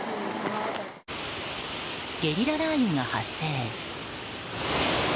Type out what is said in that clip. ゲリラ雷雨が発生。